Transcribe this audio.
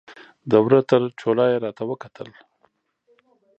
د وره تر چوله یې راته وکتل